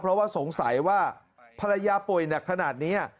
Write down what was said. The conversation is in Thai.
เพราะว่าสงสัยว่าภรรยาป่วยหนักขนาดนี้